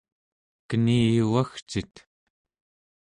keniyuvagcit!